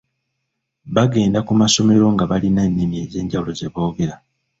Bagenda ku masomero nga balina ennimi ez’enjawulo ze boogera.